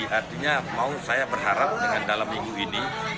jadi artinya mau saya berharap dengan dalam minggu ini